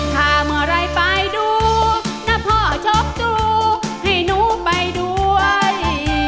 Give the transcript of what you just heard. ถ้าเมื่อไหร่ไปดูนะพ่อช็อกดูให้หนูไปด้วย